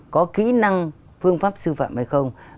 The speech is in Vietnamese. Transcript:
có kỹ năng phương pháp sư phạm hay không